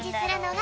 が